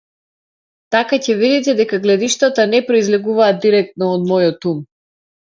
Така ќе видите дека гледиштата не произлегуваат дирекно од мојот ум.